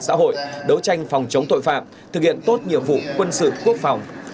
xã hội đấu tranh phòng chống tội phạm thực hiện tốt nhiệm vụ quân sự quốc phòng